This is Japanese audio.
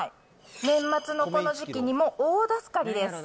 年末のこの時期にも大助かりです。